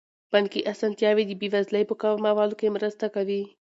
بانکي اسانتیاوې د بې وزلۍ په کمولو کې مرسته کوي.